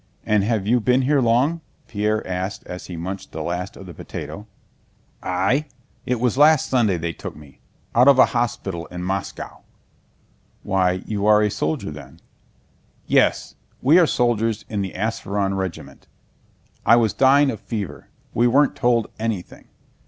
"And have you been here long?" Pierre asked as he munched the last of the potato. "I? It was last Sunday they took me, out of a hospital in Moscow." "Why, are you a soldier then?" "Yes, we are soldiers of the Ápsheron regiment. I was dying of fever. We weren't told anything.